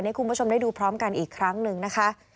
ให้คุณผู้ชมได้ดูพร้อมกันอีกครั้งหนึ่งนะคะ